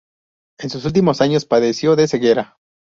En sus últimos años padeció de ceguera.